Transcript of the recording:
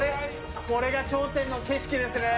これが頂点の景色ですね。